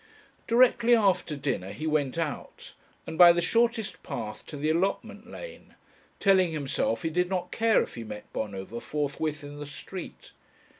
Directly after dinner he went out, and by the shortest path to the allotment lane, telling himself he did not care if he met Bonover forthwith in the street.